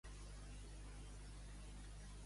Perseguir-me amb torxes?